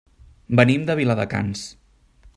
Venim de Viladecans.